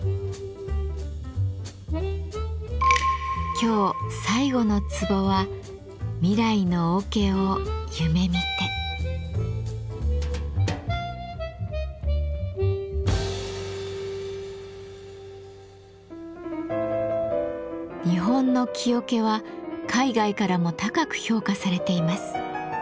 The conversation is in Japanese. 今日最後の壺は日本の木桶は海外からも高く評価されています。